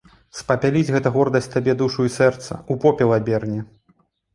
Спапяліць гэта гордасць табе душу і сэрца, у попел аберне.